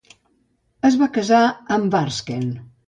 Es va casar amb Varsken.